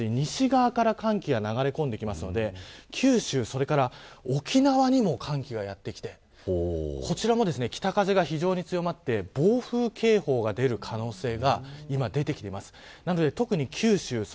風を重ねてみると今回、非常に海上に低気圧も発達しますし西側から寒気が流れ込んでくるので九州、それから沖縄にも寒気がやってきてこちらも北風が非常に強まって暴風警報が出る可能性が今、出てきています。